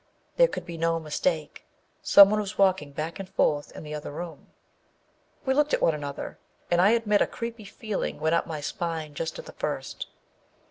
There could be no mistake â someone was walking back and forth in the other room. We looked at one another, and I admit a creepy feeling went up my spine just at first.